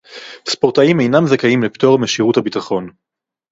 ספורטאים אינם זכאים לפטור משירות הביטחון